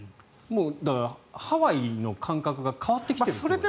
だから、ハワイの感覚が変わってきていると。